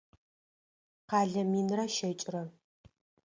Къэлэ минрэ щэкӏрэ.